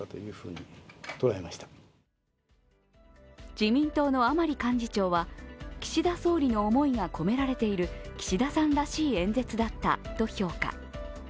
自民党の甘利幹事長は、岸田総理の思いが込められている岸田さんらしい演説だったと評価。